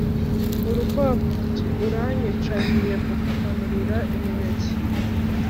urukwavu ruti:" uranyica ngiye kukumanurira imineke